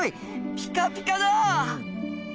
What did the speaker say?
ピカピカだ。